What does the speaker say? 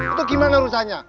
itu gimana urusannya